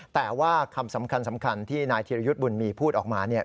แต่ว่าคำสำคัญที่นายธิรยุทธ์บุญมีพูดออกมาเนี่ย